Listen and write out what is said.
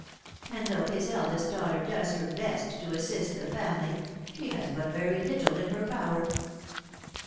And though his eldest daughter does her best to assist the family, she has but very little in her power."